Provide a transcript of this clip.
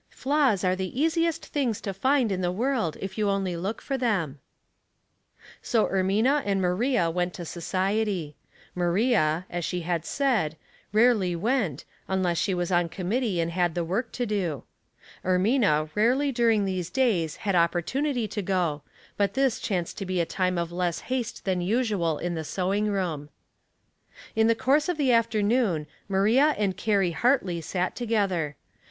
Flaws are the easiest things to find in the world, if you only look for iheni." So Ermina and Maria went to society. Maria, as she had said, rarely went, unless she was on committee and had the work to do. Ermina rarely during these days had opportunity to go, but this chanced to be a time of less haste tlian usual in the sewing room. In the course of the afternoon Maria and Carrie Hartley sat together.